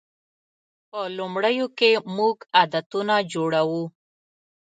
په لومړیو کې موږ عادتونه جوړوو.